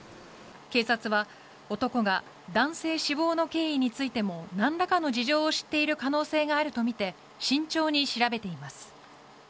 警察は、男が男性死亡の経緯についても何らかの事情を知っている可能性があるとみて慎重に調べています。